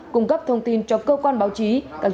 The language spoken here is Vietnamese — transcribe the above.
cung cấp thông tin cho cơ quan báo chí